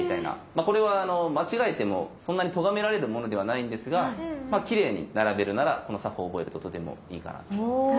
まあこれは間違えてもそんなにとがめられるものではないんですがまあきれいに並べるならこの作法を覚えるととてもいいかなと思います。